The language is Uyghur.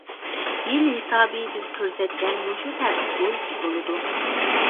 يىل ھېسابى بىز كۆرسەتكەن مۇشۇ تەرتىپ بويىچە بولىدۇ.